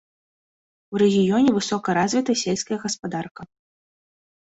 У рэгіёне высока развіта сельская гаспадарка.